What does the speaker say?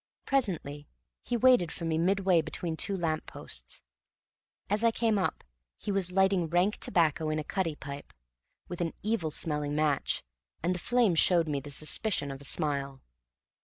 Presently he waited for me midway between two lamp posts. As I came up he was lighting rank tobacco, in a cutty pipe, with an evil smelling match, and the flame showed me the suspicion of a smile.